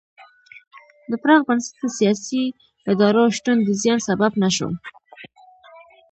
د پراخ بنسټه سیاسي ادارو شتون د زیان سبب نه شو.